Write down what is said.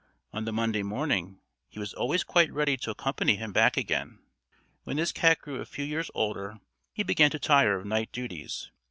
On the Monday morning, he was always quite ready to accompany him back again. When this cat grew a few years older, he began to tire of night duties.